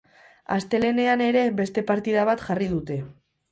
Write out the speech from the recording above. Astelehenean ere beste partida bat jarri dute.